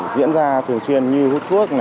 diễn ra thường xuyên như hút thuốc